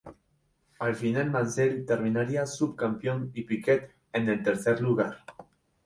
Al final Mansell terminaría subcampeón y Piquet en el tercer lugar.